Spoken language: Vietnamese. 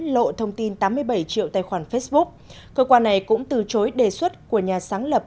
lộ thông tin tám mươi bảy triệu tài khoản facebook cơ quan này cũng từ chối đề xuất của nhà sáng lập